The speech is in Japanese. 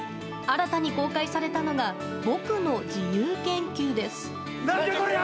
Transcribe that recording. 新たに公開されたのが僕の自由研究です。